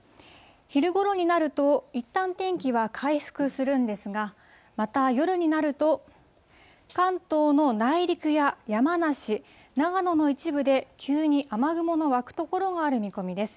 昼ごろになると、いったん天気は回復するんですが、また夜になると、関東の内陸や山梨、長野の一部で急に雨雲の湧く所がある見込みです。